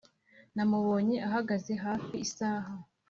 namubonye ahagaze hafi isaha,